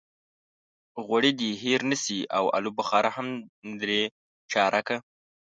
غوړي دې هېر نه شي او الوبخارا هم درې چارکه.